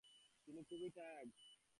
জামিন করানোর জন্য ধন্যবাদ, বাবা।